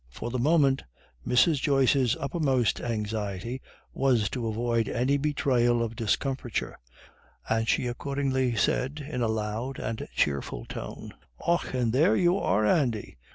For the moment Mrs. Joyce's uppermost anxiety was to avoid any betrayal of discomfiture, and she accordingly said in a loud and cheerful tone: "Och, and are you there, Andy?